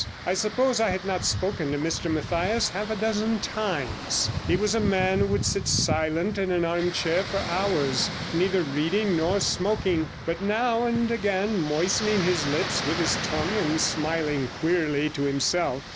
I suppose I had not spoken to Mr Mathias half a dozen times; he was a man who would sit silent in an armchair for hours, neither reading nor smoking, but now and again moistening his lips with his tongue and smiling queerly to himself.